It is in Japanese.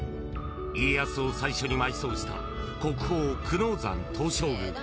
家康を最初に埋葬した国宝・久能山東照宮。